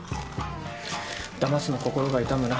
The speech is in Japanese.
だますの心が痛むな。